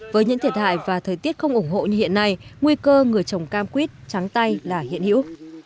với những thiệt hại và thời tiết không ủng hộ như hiện nay nguy cơ người trồng cam quýt trắng tay là hiện hữu